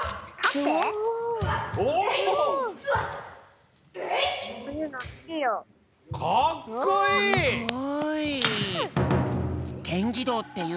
すごい。